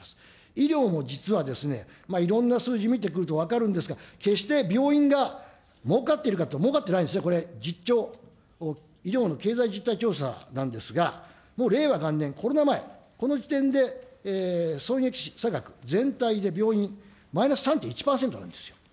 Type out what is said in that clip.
医療も実は、いろんな数字を見てくると分かるんですけど、決して病院がもうかっているかっていうと、もうかってないんですね、実調、医療の経済実態調査なんですが、もう令和元年、コロナ前、この時点で、損益差額、全体の病院、マイナス３．１％なんですよ。